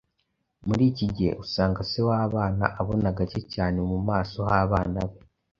Muri iki gihe, usanga se w’abana abona gake cyane mu maso h’abana be.